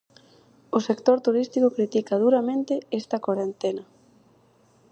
O sector turístico critica duramente esta corentena.